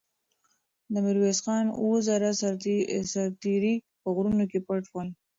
د میرویس خان اوه زره سرتېري په غرونو کې پټ ول.